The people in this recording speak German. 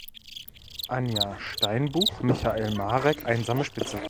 Anja Steinbuch, Michael Marek: "Einsame Spitze.